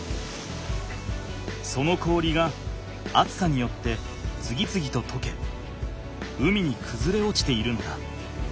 その氷が暑さによって次々ととけ海にくずれおちているんだ。